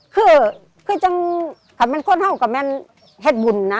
คือคือจังคำเป็นข้อเท่ากับแม่นแฮดบุญนะ